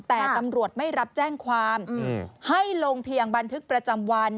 แต่ตำรวจไม่รับแจ้งความให้ลงเพียงบันทึกประจำวัน